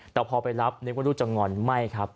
แต่พอไปรับนึกว่าลูกจะงอนไม่ครับ